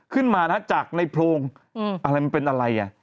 ขึ้นมานะจากในโพรงอะไรมันเป็นอะไรอ่ะ